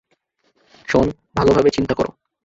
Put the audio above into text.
শোন, ভালোভাবে চিন্তা করো।